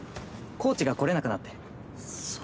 コーチが来れなくなって。